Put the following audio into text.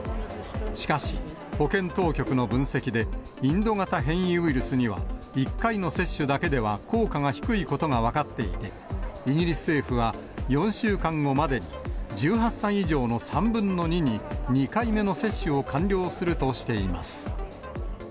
しかし、保健当局の分析で、インド型変異ウイルスには、１回の接種だけでは効果が低いことが分かっていて、イギリス政府は、４週間後までに１８歳以上の３分の２に、２回目の接種を完了するとしています。